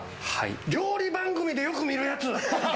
料理番組でよく見るやつ。